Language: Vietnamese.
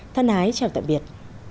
thân hái chào tạm biệt